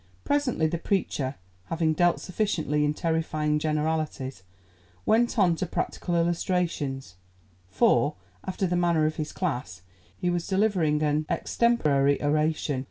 Presently the preacher, having dealt sufficiently in terrifying generalities, went on to practical illustrations, for, after the manner of his class, he was delivering an extemporary oration.